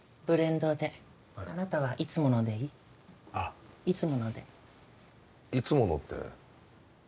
ブレンドであなたはいつものでいい？ああいつものでいつものって？